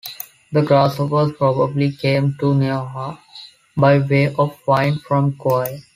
The grasshoppers probably came to Nihoa by way of wind from Kauai.